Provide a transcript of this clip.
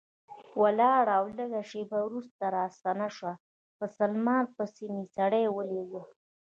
ولاړه او لږ شېبه وروسته راستنه شوه، په سلمان پسې مې سړی ولېږه.